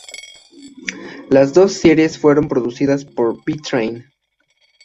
Las dos series fueron producidas por Bee Train.